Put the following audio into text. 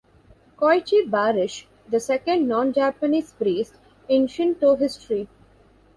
Koichi Barrish, the second non-Japanese priest in Shinto history.